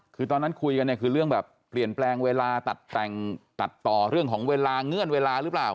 คือตอนนั้นคุยกันเนี่ยคือเรื่องแบบเปลี่ยนแปลงเวลาตัดแต่งตัดต่อเรื่องของเวลาเงื่อนเวลาหรือเปล่า